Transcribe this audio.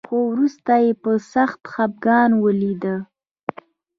خو وروسته يې په سخت خپګان وليدل.